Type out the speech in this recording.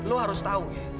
lo harus tau ya